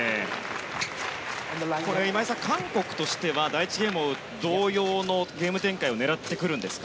今井さん、韓国としては第１ゲームと同様のゲーム展開を狙ってくるんですか？